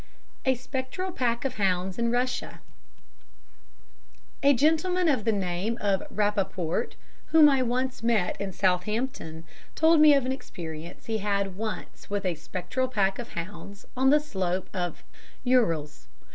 A Spectral Pack of Hounds in Russia A gentleman of the name of Rappaport whom I once met in Southampton told me of an experience he had once had with a spectral pack of hounds on the slope of the Urals.